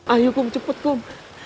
ayo kum cepet kum